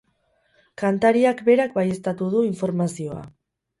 Kantariak berak baieztatu du informazioa.